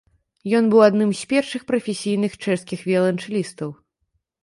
Ён быў адным з першых прафесійных чэшскіх віяланчэлістаў.